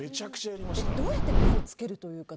どうやって目をつけるというか。